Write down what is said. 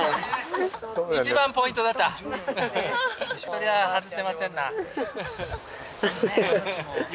そりゃあ外せませんな。